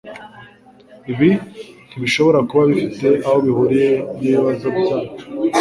Ibi ntibishobora kuba bifite aho bihuriye nikibazo cyacu